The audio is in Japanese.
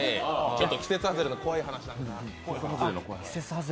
季節外れの怖い話なんかも。